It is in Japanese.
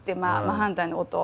真反対の音。